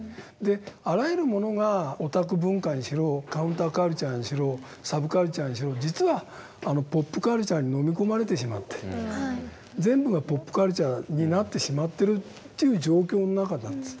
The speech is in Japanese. あらゆるものがオタク文化にしろカウンターカルチャーにしろサブカルチャーにしろ実はポップカルチャーにのみ込まれてしまって全部がポップカルチャーになってしまってるという状況の中なんです。